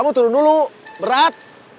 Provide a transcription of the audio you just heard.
kamu turun dulu berat